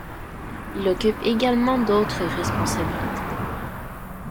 Il occupe également d'autres responsabilités.